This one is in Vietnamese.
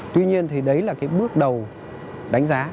tuy nhiên thì đấy là cái bước đầu đánh giá